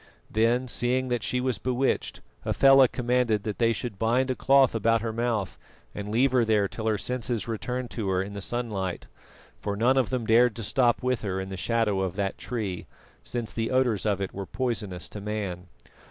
Then, seeing that she was bewitched, Hafela commanded that they should bind a cloth about her mouth and leave her there till her senses returned to her in the sunlight for none of them dared to stop with her in the shadow of that tree, since the odours of it were poisonous to man.